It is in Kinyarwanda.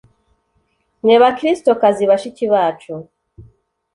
mwe bakristokazi bashiki bacu